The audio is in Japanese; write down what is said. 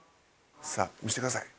さあ見せてください。